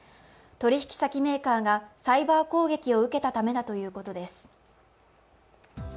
取引先メーカーがサイバー攻撃を受けたためだということです。